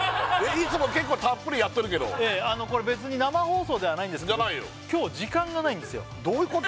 いつも結構たっぷりやってるけどこれ別に生放送ではないんですけど今日時間がないんですよどういうこと？